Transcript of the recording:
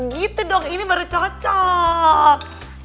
gitu dong ini baru cocok